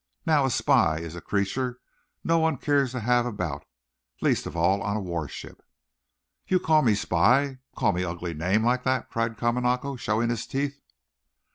Now, a spy is a creature no one cares to have about least of all on a warship." "You call me spy call me ugly name like that?" cried Kamanako, showing his teeth.